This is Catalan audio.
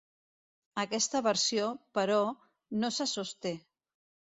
Aquesta versió, però, no se sosté.